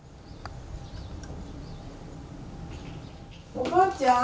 おばあちゃん！